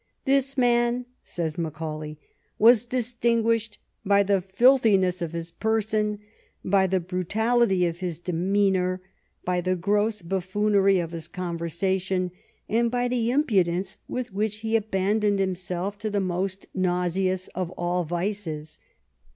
'^ This man," says Macaulay, " was distinguished by the filth iness of his person, by the brutality of his demeanor, by the gross buffoonery of his conversation, and by the impudence with which he abandoned himself to the most nauseous of all vices.